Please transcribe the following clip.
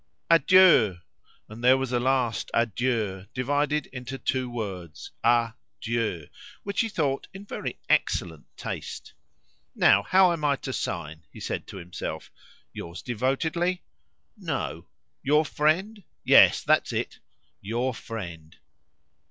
Adieu!" And there was a last "adieu" divided into two words! "A Dieu!" which he thought in very excellent taste. "Now how am I to sign?" he said to himself. "'Yours devotedly?' No! 'Your friend?' Yes, that's it." "Your friend."